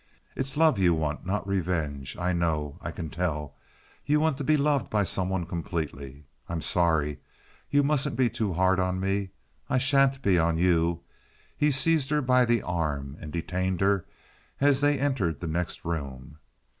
"It's love you want—not revenge. I know—I can tell. You want to be loved by some one completely. I'm sorry. You mustn't be too hard on me. I sha'n't be on you." He seized her by the arm and detained her as they entered the next room.